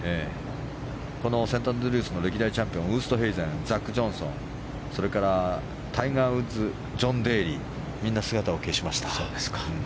このセントアンドリュースの歴代チャンピオンウーストヘイゼンザック・ジョンソンそれからタイガー・ウッズジョン・デーリーみんな姿を消しました。